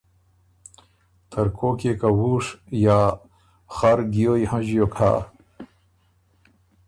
ترکوک يې که وُوش یا خر ګیوی هنݫیوک هۀ